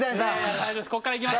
大丈夫です。